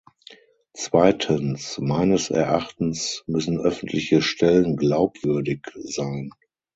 Zweitens, meines Erachtens müssen öffentliche Stellen glaubwürdig sein.